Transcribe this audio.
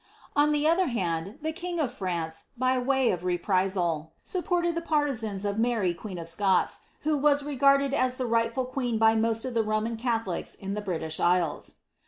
On the other hand, the king of France, by way of reprisal, suppoRed ' Ihe paitizans of Mary queen of Scots, who was regarded as the rigbiful qneen by most of the Roman Catholics in the British islands.